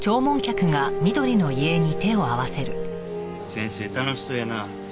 先生楽しそうやな。